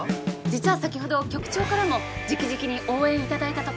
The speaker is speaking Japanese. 実は先ほど局長からもじきじきに応援いただいたところで。